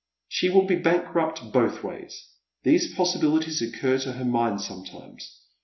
She wili be bankrupt both ways. These possibilities occur to her mind sometimes.